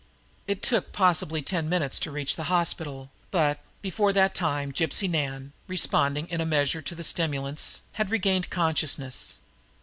It took possibly ten minutes to reach the hospital, but, before that time, Gypsy Nan, responding in a measure to stimulants, had regained consciousness.